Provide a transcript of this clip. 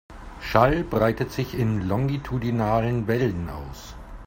Schall breitet sich in longitudinalen Wellen aus.